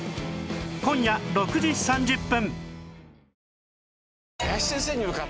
今夜６時３０分！